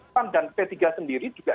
pan dan p tiga sendiri juga